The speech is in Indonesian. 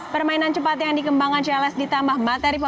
permainan cepat yang dikembangkan ciales ditambah materi pembangunan